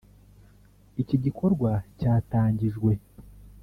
Iki gikorwa cyatangijwe